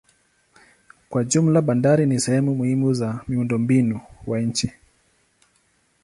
Kwa jumla bandari ni sehemu muhimu za miundombinu wa nchi.